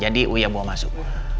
jadi uya bawa masuk